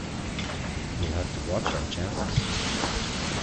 We'll have to watch our chances.